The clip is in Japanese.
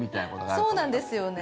そうなんですよね。